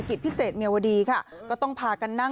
กลุ่มน้ำเบิร์ดเข้ามาร้านแล้ว